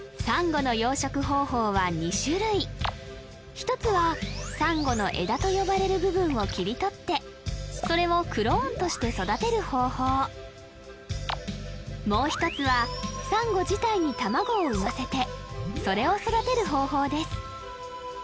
１つはサンゴの「枝」と呼ばれる部分を切り取ってそれをクローンとして育てる方法もう一つはサンゴ自体に卵を産ませてそれを育てる方法です